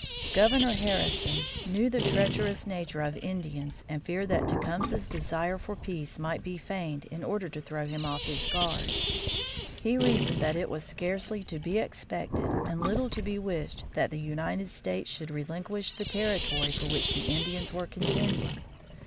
Governor Harrison knew the treacherous nature of Indians and feared that Tecumseh's desire for peace might be feigned in order to throw him off his guard. He reasoned that it was scarcely to be expected and little to be wished that the United States should relinquish the territory for which the Indians were contending.